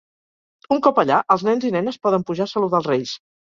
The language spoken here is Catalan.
Un cop allà, els nens i nenes poden pujar a saludar els Reis.